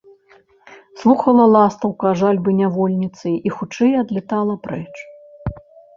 Слухала ластаўка жальбы нявольніцы і хутчэй адлятала прэч.